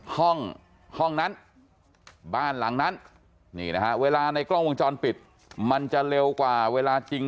ห้องห้องนั้นบ้านหลังนั้นนี่นะฮะเวลาในกล้องวงจรปิดมันจะเร็วกว่าเวลาจริง